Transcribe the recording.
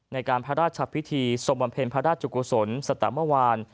ในการพระราชจัดพิธีสมบัมเพลินพระราชจุกษลสตมวัน